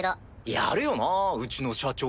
やるよなうちの社長。